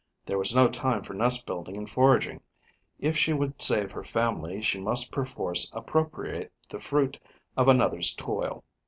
There was no time for nest building and foraging; if she would save her family, she must perforce appropriate the fruit of another's toil.